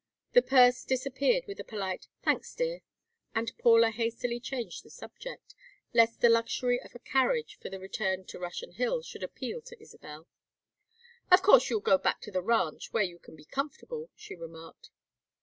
The purse disappeared with a polite "Thanks, dear," and Paula hastily changed the subject, lest the luxury of a carriage for the return to Russian Hill should appeal to Isabel. "Of course you'll go back to the ranch where you can be comfortable," she remarked.